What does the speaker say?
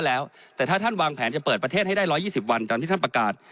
แต่ถ้าเพราะที่ภารตรวจของท่านวางแผนจะเปิดประเทศให้ใน๑๒๐วันการประกาศ